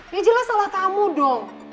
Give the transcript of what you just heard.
dia jelas salah kamu dong